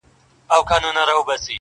د ځناورو له خاندان دی -